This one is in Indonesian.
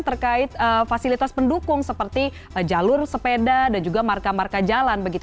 terkait fasilitas pendukung seperti jalur sepeda dan juga marka marka jalan begitu